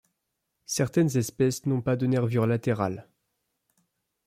Certaines espèces n'ont pas de nervures latérales.